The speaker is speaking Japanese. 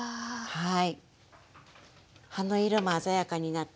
はい。